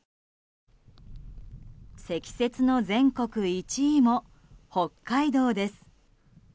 積雪の全国１位も、北海道です。